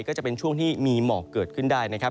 ก็จะเป็นช่วงที่มีหมอกเกิดขึ้นได้นะครับ